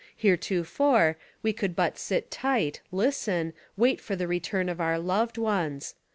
Heretofore, we could but sit tight, listen; wait for the return of our loved ones.